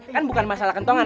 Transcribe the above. kan bukan masalah kentongan